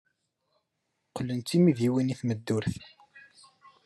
Qqlent d timidiwin i tmeddurt.